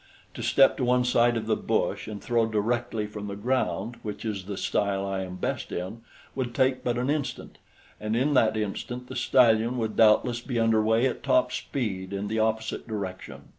To step to one side of the bush and throw directly from the ground, which is the style I am best in, would take but an instant, and in that instant the stallion would doubtless be under way at top speed in the opposite direction.